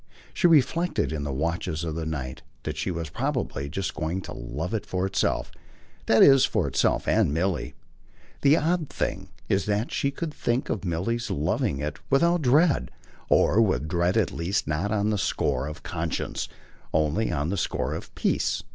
She reflected in the watches of the night that she was probably just going to love it for itself that is for itself and Milly. The odd thing was that she could think of Milly's loving it without dread or with dread at least not on the score of conscience, only on the score of peace.